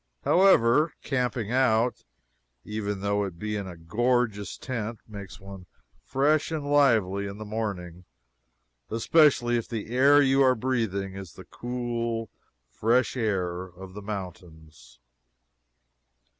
However, camping out, even though it be in a gorgeous tent, makes one fresh and lively in the morning especially if the air you are breathing is the cool, fresh air of the mountains.